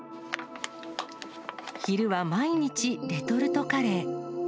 昼は毎日、レトルトカレー。